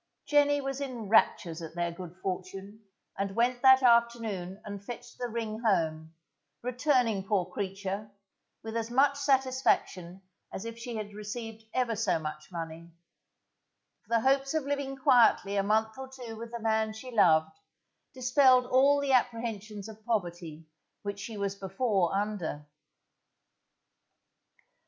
Jenny was in raptures at their good fortune, and went that afternoon and fetched the ring home, returning, poor creature, with as much satisfaction as if she had received ever so much money; for the hopes of living quietly a month or two with the man she loved, dispelled all the apprehensions of poverty which she was before under.